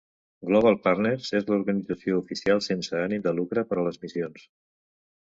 Global Partners és la organització oficial sense ànim de lucre per a les missions.